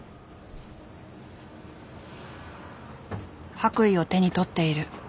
白衣を手に取っている。